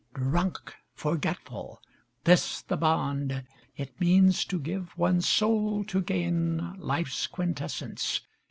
Drunk! Forgetful! This the bond: it Means to give one's soul to gain Life's quintessence.